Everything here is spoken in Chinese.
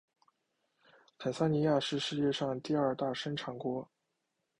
坦桑尼亚是世界上第二大生产国。